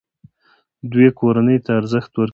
دوی کورنۍ ته ارزښت ورکوي.